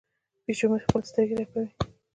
پیشو مې خپلې سترګې رپوي.